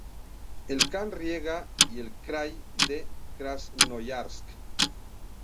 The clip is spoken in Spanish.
El Kan riega el krai de Krasnoyarsk.